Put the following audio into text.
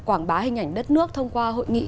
quảng bá hình ảnh đất nước thông qua hội nghị